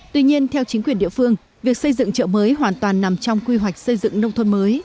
tuy nhiên theo chính quyền địa phương việc xây dựng chợ mới hoàn toàn nằm trong quy hoạch xây dựng nông thôn mới